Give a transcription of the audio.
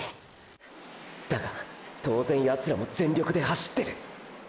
だが当然ヤツらも全力で走ってる。